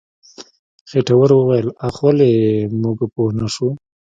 خېټور وويل اخ ولې موږ پوه نه شو.